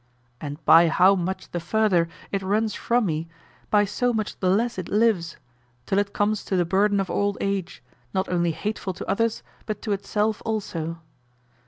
And by how much the further it runs from me, by so much the less it lives, till it comes to the burden of old age, not only hateful to others, but to itself also.